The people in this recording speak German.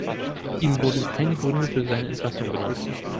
Ihm wurden keine Gründe für seine Entlassung genannt.